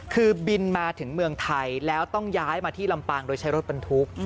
คือบินมาถึงเมืองไทยแล้วต้องย้ายมาที่ลำปางโดยใช้รถบรรทุก